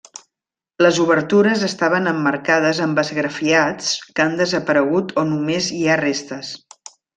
Les obertures estaven emmarcades amb esgrafiats que han desaparegut o només hi ha restes.